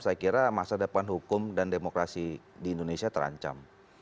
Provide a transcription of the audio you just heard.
saya kira masa depan hukum dan demokrasi di indonesia terancam